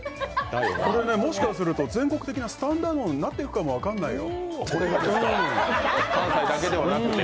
これね、もしかすると全国的なスタンダードになっていくかもわかんないよ。